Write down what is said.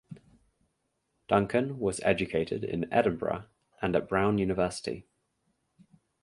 Duncan was educated in Edinburgh and at Brown University.